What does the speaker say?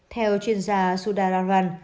theo chuyên gia sudha rarwan